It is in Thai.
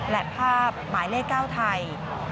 และภาพหมายเลข๙ไทย